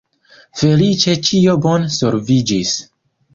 Feliĉe ĉio bone solviĝis.